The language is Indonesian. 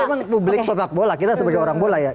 kita publik sokak bola kita sebagai orang bola ya